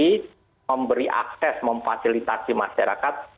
jadi memberi akses memfasilitasi masyarakat